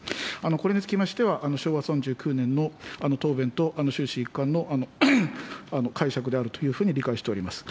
これにつきましては、昭和３９年の答弁と終始一貫の解釈であるというふうに理解しております。